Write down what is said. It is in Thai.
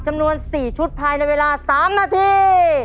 จำนวน๔ชุดภายในเวลา๓นาที